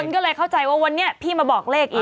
ก็เลยเข้าใจว่าวันนี้พี่มาบอกเลขอีก